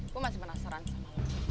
gue masih penasaran sama